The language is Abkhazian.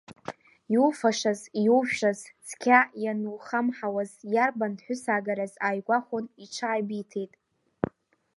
Иуфашаз-иужәшаз цқьа ианухамҳауаз, иарбан ԥҳәысаагараз ааигәахәын, иҽааибиҭеит.